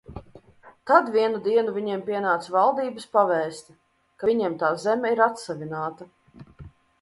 Tad vienu dienu viņiem pienāca valdības pavēste, ka viņiem tā zeme ir atsavināta.